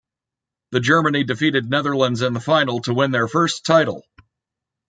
The Germany defeated Netherlands in the final to win their first title.